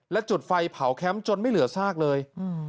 และจุดไฟเผาแคมป์จนไม่เหลือซากเลย